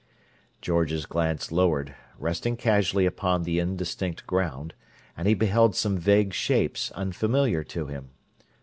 George's glance lowered, resting casually upon the indistinct ground, and he beheld some vague shapes, unfamiliar to him.